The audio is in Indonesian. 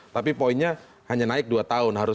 tapi poinnya hanya naik dua tahun